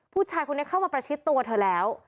ผู้ชายคนนี้เข้ามาประชิดตัวเธอแล้ว